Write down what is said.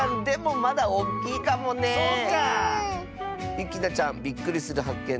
ゆきなちゃんびっくりするはっけん